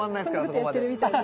こんなことやってるみたいに。